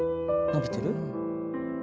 伸びてる？